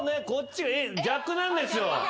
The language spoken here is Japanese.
逆なんですよ。